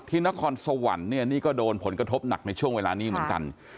นครสวรรค์เนี่ยนี่ก็โดนผลกระทบหนักในช่วงเวลานี้เหมือนกัน